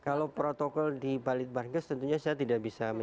kalau protokol di balitbangkemenkes tentunya saya tidak bisa mengambil